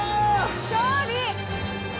勝利。